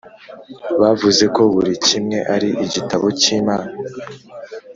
bavuze ko buri kimwe ari igitabo cy’imana.